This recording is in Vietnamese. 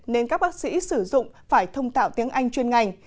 nên các bác sĩ sử dụng phải thông tạo tiếng anh chuyên ngành